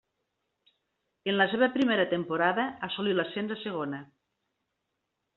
En la seva primera temporada assolí l'ascens a segona.